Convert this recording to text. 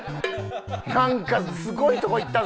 なんかすごいとこ行ったぞ。